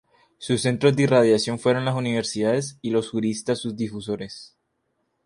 Sus centros de irradiación fueron las universidades y los juristas sus difusores.